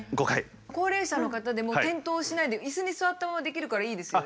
高齢者の方でも転倒しないでイスに座ったままできるからいいですよね。